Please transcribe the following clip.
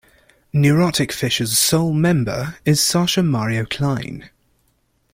Neuroticfish's sole member is Sascha Mario Klein.